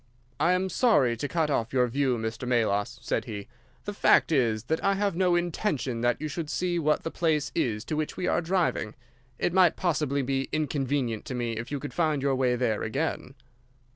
"'I am sorry to cut off your view, Mr. Melas,' said he. 'The fact is that I have no intention that you should see what the place is to which we are driving. It might possibly be inconvenient to me if you could find your way there again.